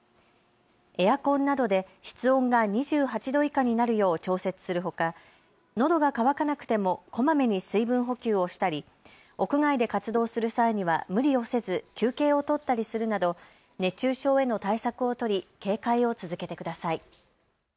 エアコンなどで室温が２８度以下になるよう調節するほかのどが渇かなくてもこまめに水分補給をしたり屋外で活動する際には無理をせず休憩を取ったりするなど熱中症への対策を取り警戒を続けてください。